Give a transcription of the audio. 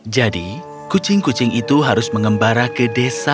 jadi kucing kucing itu harus mengembara ke desa